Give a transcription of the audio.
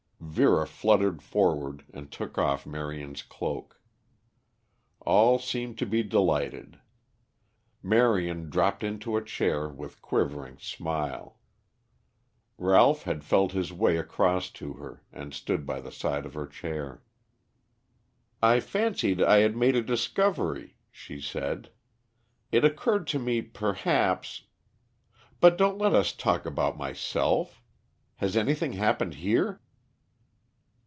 Vera fluttered forward and took off Marion's cloak. All seemed to be delighted. Marion dropped into a chair with quivering smile. Ralph had felt his way across to her and stood by the side of her chair. "I fancied I had made a discovery," she said. "It occurred to me perhaps . But don't let us talk about myself. Has anything happened here?"